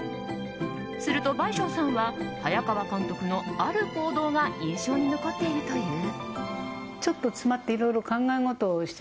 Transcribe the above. すると、倍賞さんは早川監督のある行動が印象に残っているという。